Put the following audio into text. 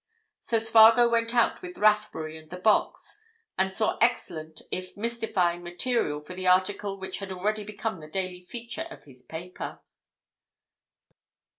So Spargo went out with Rathbury and the box; and saw excellent, if mystifying, material for the article which had already become the daily feature of his paper.